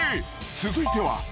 続いては。